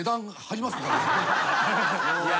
いや。